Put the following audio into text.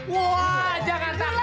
wah jangan takut